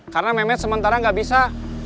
karena mehmet sementara gak bisa